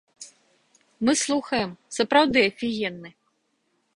Мы слухаем, сапраўды афігенны.